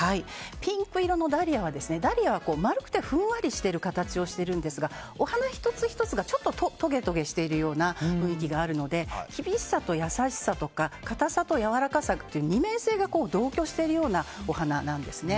ピンク色のダリアは丸くてふんわりしている形をしているんですがお花１つ１つが、ちょっととげとげしているような雰囲気があるので厳しさと優しさとか硬さとやわらかさという二面性が同居しているようなお花なんですね。